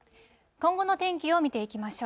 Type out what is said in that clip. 今後の天気を見ていきましょう。